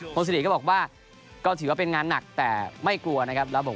พร้าวนะครับโพงซิริถือว่าเป็นงานหนักแต่ไม่กลัวนะครับ